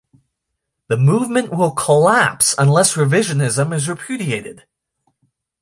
The movement will collapse unless Revisionism is repudiated.